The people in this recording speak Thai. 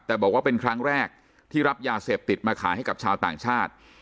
แต่บอกว่าเป็นครั้งแรกที่รับยาเสพติดมาขายให้กับชาวต่างชาติ